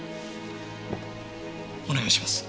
お願いします。